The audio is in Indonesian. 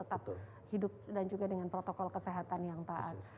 tetap hidup dan juga dengan protokol kesehatan yang taat